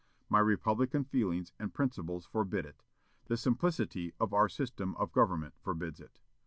My republican feelings and principles forbid it; the simplicity of our system of government forbids it....